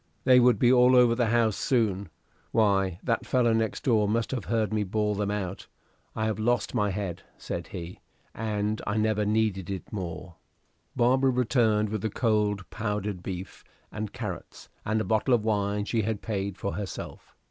They would be all over the house soon. "Why, that fellow next door must have heard me bawl them out. I have lost my head," said he, "and I never needed it more." Barbara returned with the cold powdered beef and carrots, and a bottle of wine she had paid for herself.